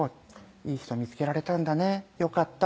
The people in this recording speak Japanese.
「いい人見つけられたんだねよかった」